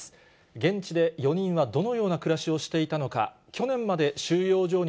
現地で４人はどのような暮らしをしていたのか、去年まで収容所に